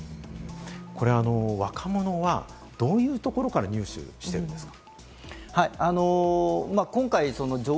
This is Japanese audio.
これ若者はどういうところから入手しているんですか？